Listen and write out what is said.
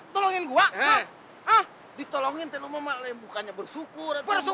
tidak ada orang yang membunuh diri